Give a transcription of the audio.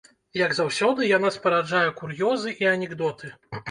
Як заўсёды, яна спараджае кур'ёзы і анекдоты.